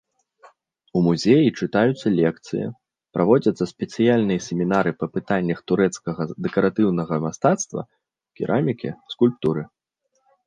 У музеі чытаюцца лекцыі, праводзяцца спецыяльныя семінары па пытаннях турэцкага дэкаратыўнага мастацтва, керамікі, скульптуры.